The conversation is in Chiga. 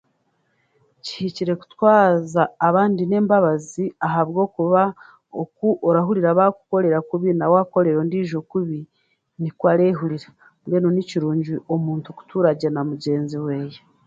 Kihikire kutwaza abandi n'embabazi ahabwokuba oku orahurira baakukorera kubi nawaakorera ondiijo kubi, nikwe areehurira. Mbwenu ni kirungi omuntu kutuuragye na mugyenzi weeye.